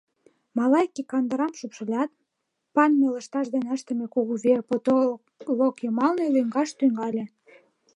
Малайке кандырам шупшылят, пальме лышташ дене ыштыме кугу веер потолок йымалне лӱҥгаш тӱҥале.